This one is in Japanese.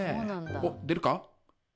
おっ出るか？